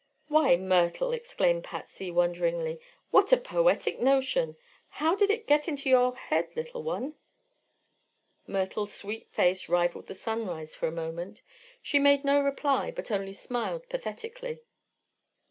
"Why, Myrtle!" exclaimed Patsy, wonderingly; "what a poetic notion. How did it get into your head, little one?" Myrtle's sweet face rivaled the sunrise for a moment. She made no reply but only smiled pathetically.